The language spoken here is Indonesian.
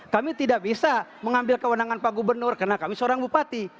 kami tidak bisa mengambil kewenangan pak gubernur karena kami seorang bupati